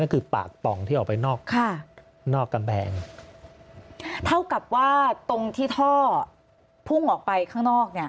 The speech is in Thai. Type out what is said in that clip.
ก็คือปากป่องที่ออกไปนอกค่ะนอกกำแพงเท่ากับว่าตรงที่ท่อพุ่งออกไปข้างนอกเนี่ย